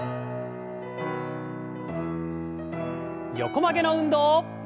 横曲げの運動。